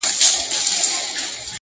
نه درك وو په ميدان كي د ټوكرانو!.